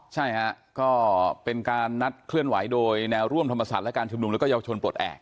ใช่ฮะก็เป็นการนัดเคลื่อนไหวโดยแนวร่วมธรรมศาสตร์และการชุมนุมแล้วก็เยาวชนปลดแอบ